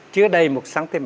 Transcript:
chứa đầy một cm